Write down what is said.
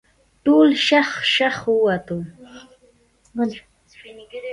ټول شغ شغ ووتل.